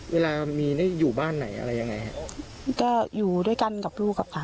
เวลามีนี่อยู่บ้านไหนอะไรยังไงฮะก็อยู่ด้วยกันกับลูกอ่ะค่ะ